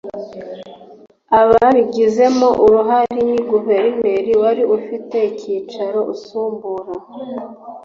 ababigizemo uruhare ni guverineri wari ufite icyicaro usumbura